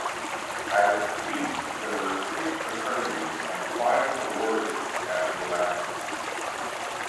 At its peak, there were six fraternities and five sororities at Willamette.